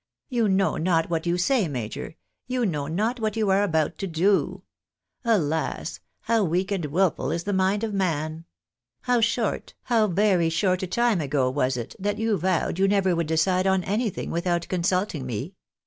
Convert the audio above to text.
You know not what you say, major — you know not what you are about to do ! Alas ! how weak and wilful is the mind of man ! How short, how very short a time ago was it, that you vowed you never would decide on anything without consulting me